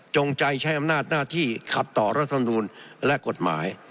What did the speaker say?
ใจใช้อำนาจหน้าที่ขัดต่อรัฐธรรมนูลและกฎหมาย